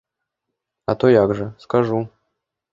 А то як жа, скажу.